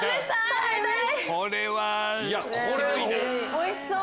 おいしそう。